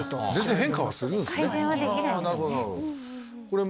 変化はするんですね。